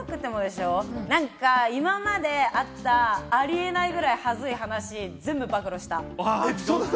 今まであったありえないぐらい、はずい話を全部暴露した。